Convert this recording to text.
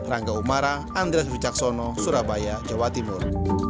rangga umara andres wicaksono surabaya jawa timur